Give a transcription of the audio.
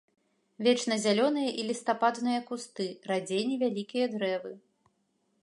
Вечназялёныя і лістападныя кусты, радзей невялікія дрэвы.